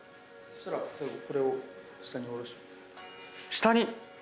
下に？